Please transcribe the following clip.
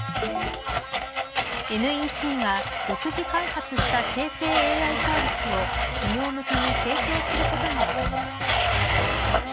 ＮＥＣが独自開発した生成ＡＩサービスを企業向けに提供することが分かりました。